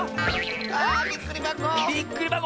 あびっくりばこ！